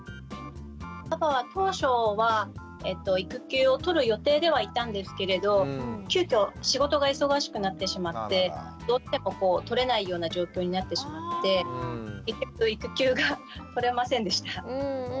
パパは当初は育休を取る予定ではいたんですけれど急きょ仕事が忙しくなってしまってどうしても取れないような状況になってしまって結局育休が取れませんでした。